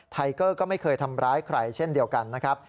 ไทเกอร์ก็ไม่เคยทำร้ายใครเช่นเดียวกันนะครับ